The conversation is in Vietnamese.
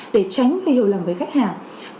để tránh hiểu lầm với khách hàng